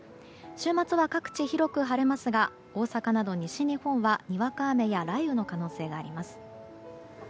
週末は各地、広く晴れますが大阪など西日本は、にわか雨や雷雨の可能性があります。